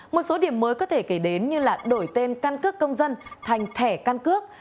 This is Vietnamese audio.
một số điểm mới có thể kể đến như là đổi tên căn cước công dân thành thẻ căn cước